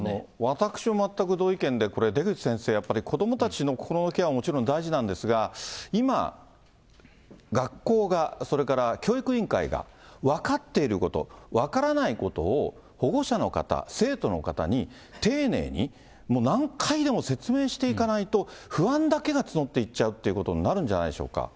私も全く同意見で、これ、出口先生、やっぱり子どもたちの心のケアももちろん大事なんですが、今、学校が、それから教育委員会が分かっていること、分からないことを、保護者の方、生徒の方に丁寧に、もう何回でも説明していかないと、不安だけが募っていっちゃうということになるんじゃないでしょう